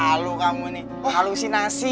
halu kamu nih halusinasi